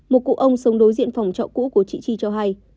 một cụ ông sống đối diện phòng trọ cũ của chị chi cho hay